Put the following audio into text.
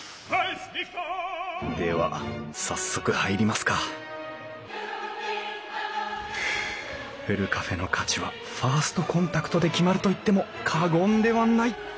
では早速入りますかふるカフェの価値はファーストコンタクトで決まると言っても過言ではない！